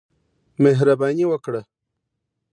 مهرباني وکړه.